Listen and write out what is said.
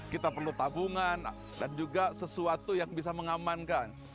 kita perlu tabungan dan juga sesuatu yang bisa mengamankan